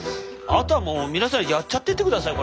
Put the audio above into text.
あとはもう皆さんやっちゃってってください